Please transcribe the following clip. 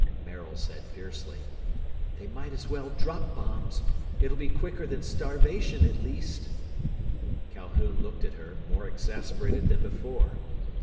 Maril said fiercely, "They might as well drop bombs. It'll be quicker than starvation, at least!" Calhoun looked at her, more exasperated than before.